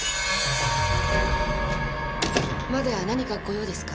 まだ何かご用ですか？